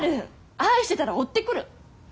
愛してたら追ってくる。